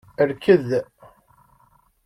Rked.